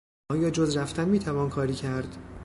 آیا جز رفتن میتوان کاری کرد؟